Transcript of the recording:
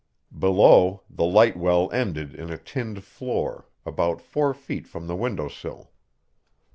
Below, the light well ended in a tinned floor, about four feet from the window sill.